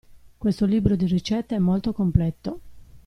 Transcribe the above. Questo libro di ricette è molto completo.